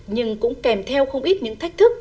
nhưng cũng kèm theo không ít những thách thức